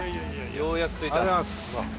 ようやく着いた。